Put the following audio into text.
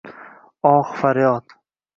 oh-faryod.